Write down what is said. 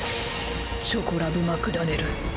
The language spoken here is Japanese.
チョコラブ・マクダネル。